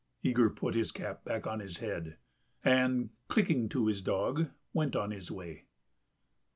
Yegor put his cap on the back of his head and, clicking to his dog, went on his way.